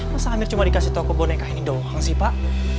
masa amir cuma dikasih toko boneka ini doang sih pak